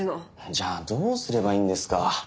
じゃあどうすればいいんですか。